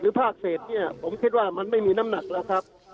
ภาคเศษเนี่ยผมคิดว่ามันไม่มีน้ำหนักแล้วครับ